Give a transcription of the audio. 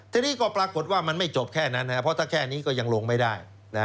ทีนี้ก็ปรากฏว่ามันไม่จบแค่นั้นเพราะถ้าแค่นี้ก็ยังลงไม่ได้